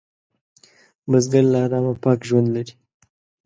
بزګر له حرامه پاک ژوند لري